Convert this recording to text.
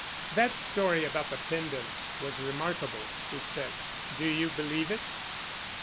"That story about the pendant was remarkable," he said. "Do you believe it?"